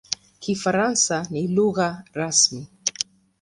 Kifaransa ni lugha rasmi.